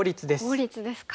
効率ですか。